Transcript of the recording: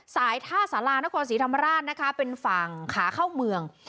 สายธาสาราและกว่าศรีธรรมราชเป็นฝั่งขาเข้าเมือง